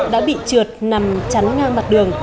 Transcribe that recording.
đã bị trượt nằm chắn ngang mặt đường